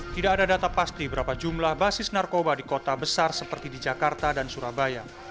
tidak ada data pasti berapa jumlah basis narkoba di kota besar seperti di jakarta dan surabaya